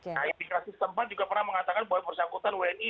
nah imigrasi tempat juga pernah mengatakan bahwa bersangkutan wni